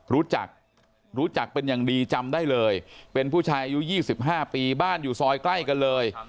รู้จักรู้จักเป็นอย่างดีจำได้เลยเป็นผู้ชายอายุ๒๕ปีบ้านอยู่ซอยใกล้กันเลย